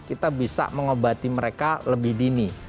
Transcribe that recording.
kita bisa mengobati mereka lebih dini